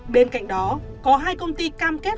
bên cạnh đó có hai công ty cam kết